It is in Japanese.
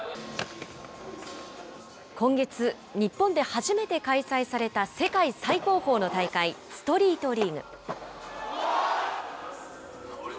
今月、日本で初めて開催された世界最高峰の大会、ストリートリーグ。